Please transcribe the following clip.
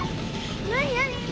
何何？